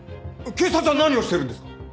警察は何をしてるんですか？